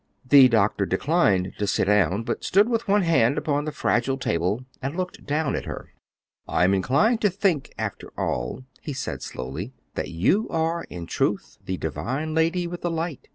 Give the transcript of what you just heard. The doctor declined to sit down, but stood with one hand upon the fragile table and looked down at her. "I am inclined to think, after all," he said slowly, "that you are in truth the divine lady with the light.